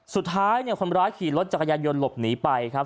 สุดท้ายเนี่ยคนร้ายขี่รถจักรยานยนต์หลบหนีไปครับ